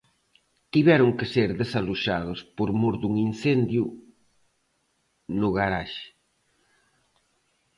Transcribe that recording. Tiveron que ser desaloxados por mor dun incendio no garaxe.